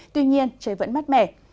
tuy nhiên trời vẫn mát mẻ